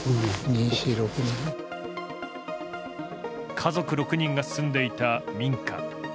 家族６人が住んでいた民家。